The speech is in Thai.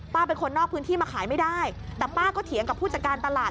เป็นคนนอกพื้นที่มาขายไม่ได้แต่ป้าก็เถียงกับผู้จัดการตลาด